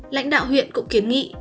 lãnh đạo huyện cũng kiến nghị